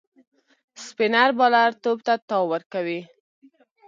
سپينر بالر توپ ته تاو ورکوي.